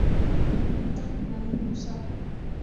当然有效！